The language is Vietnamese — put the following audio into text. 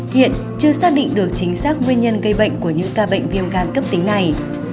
hiện chưa xác định được chính xác nguyên nhân gây bệnh của những ca bệnh viêm gan cấp tính này